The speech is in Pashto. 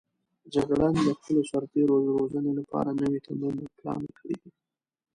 جګړن د خپلو سرتېرو روزنې لپاره نوي تمرینونه پلان کړي دي.